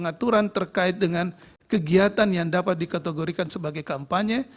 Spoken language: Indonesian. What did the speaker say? walaupun tidak adanya pengaturan terkait dengan kegiatan yang dapat dikategorikan sebagai kampanye